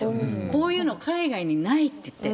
こういうの、海外にないっていって。